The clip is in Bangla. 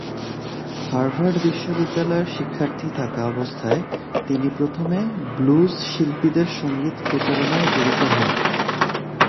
হার্ভার্ড বিশ্ববিদ্যালয়ের শিক্ষার্থী থাকা অবস্থায় তিনি প্রথমে ব্লুজ শিল্পীদের সঙ্গীত প্রচারণায় জড়িত হন।